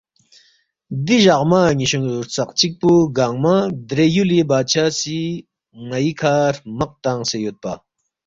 دی جقمہ نِ٘یشُو ہرژقچِک پو گنگمہ درے یُولی بادشاہ سی ن٘ئی کھہ ہرمق تنگسے یودپا